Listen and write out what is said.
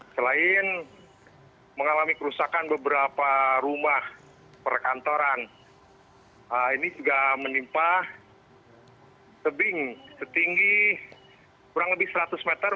selain mengalami kerusakan beberapa rumah perkantoran ini juga menimpa tebing setinggi kurang lebih seratus meter